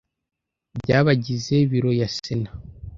by abagize biro ya sena